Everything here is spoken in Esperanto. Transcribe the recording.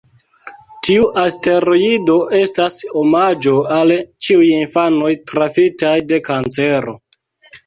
Tiu asteroido estas omaĝo al ĉiuj infanoj trafitaj de kancero.